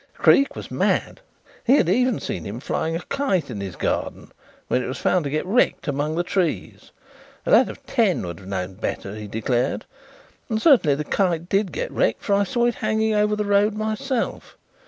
Creake was mad. He had even seen him flying a kite in his garden where it was found to get wrecked among the trees. A lad of ten would have known better, he declared. And certainly the kite did get wrecked, for I saw it hanging over the road myself.